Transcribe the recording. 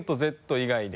以外で？